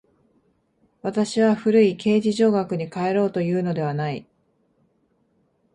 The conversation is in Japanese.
私は古い形而上学に還ろうというのではない。